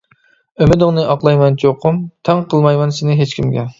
ئۈمىدىڭنى ئاقلايمەن چوقۇم، تەڭ قىلمايمەن سېنى ھېچكىمگە.